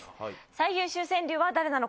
最優秀川柳は誰なのか？